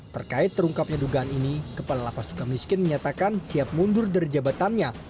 terkait terungkapnya dugaan ini kepala lapas suka miskin menyatakan siap mundur dari jabatannya